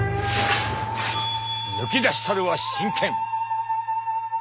抜き出したるは真剣。